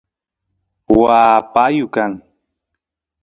waa payu kan